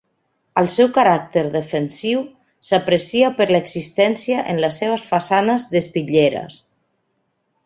El seu caràcter defensiu s'aprecia per l'existència en les seves façanes d'espitlleres.